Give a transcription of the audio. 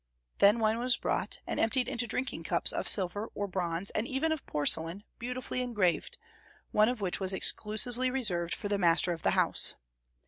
Then wine was brought, and emptied into drinking cups of silver or bronze, and even of porcelain, beautifully engraved, one of which was exclusively reserved for the master of the house.